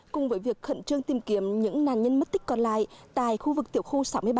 cùng với việc khẩn trương tìm kiếm những nạn nhân mất tích còn lại tại khu vực tiểu khu sáu mươi bảy